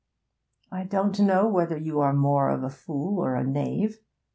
'I don't know whether you are more a fool or a knave.